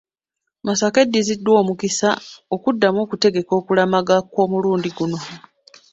Masaka eddiziddwa omukisa okuddamu okutegeka okulamaga kw’omulundi guno.